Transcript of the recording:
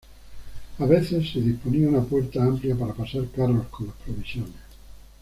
A veces, se disponía una puerta amplia para pasar carros con las provisiones.